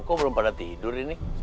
kok belum pada tidur ini